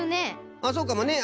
あっそうかもね。